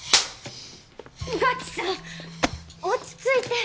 穿地さん落ち着いて！